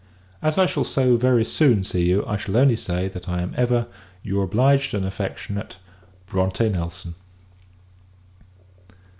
As I shall so very soon see you, I shall only say, that I am ever, your obliged and affectionate BRONTE NELSON.